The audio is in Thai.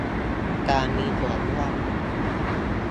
การมีส่วนร่วม